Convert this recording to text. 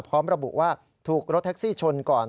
พร้อมระบุว่าถูกรถแท็กซี่ชนก่อน